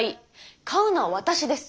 買うのは私です。